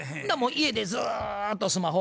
家でずっとスマホ。